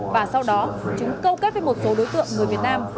và sau đó chúng câu kết với một số đối tượng người việt nam